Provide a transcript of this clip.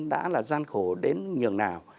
đã là gian khổ đến nhường nào